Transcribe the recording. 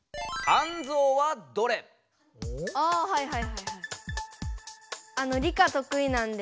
あはいはいはいはい。